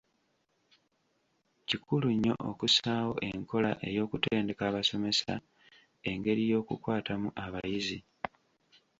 Kikulu nnyo okussaawo enkola ey’okutendeka abasomesa engeri y’okukwatamu abayizi.